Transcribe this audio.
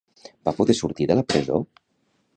Va poder sortir de la presó?